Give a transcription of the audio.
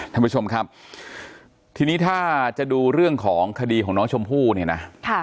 ท่านผู้ชมครับทีนี้ถ้าจะดูเรื่องของคดีของน้องชมพู่เนี่ยนะ